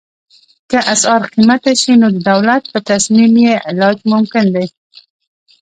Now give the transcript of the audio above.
که اسعار قیمته شي نو د دولت په تصمیم یې علاج ممکن دی.